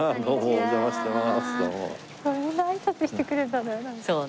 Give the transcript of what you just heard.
お邪魔します。